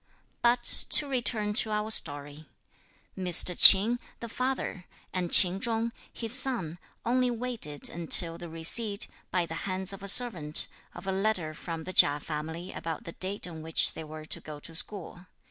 But to return to our story. Mr. Ch'in, the father, and Ch'in Chung, his son, only waited until the receipt, by the hands of a servant, of a letter from the Chia family about the date on which they were to go to school.